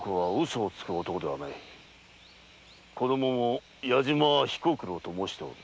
子供も矢島彦九郎と申しておる。